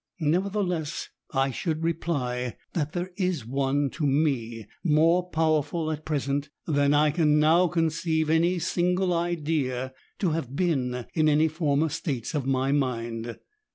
Nevertheless, I should reply that there is one, to me more powerful at present than I can now conceive any single idea to have been in any former states of my mind.